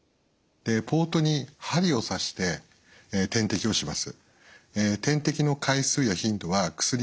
ポートに針を刺して点滴をします。